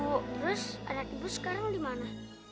terus anak ibu sekarang dimana